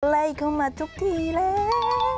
ไล่เข้ามาทุกทีแล้ว